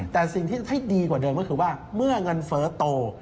แต่สิ่งที่ให้ดีกว่าเดิมก็คือว่าเมื่อเงินเฟ้อโต